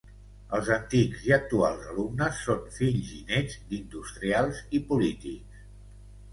Els antics i actuals alumnes són fills i nets, d'industrials i polítics.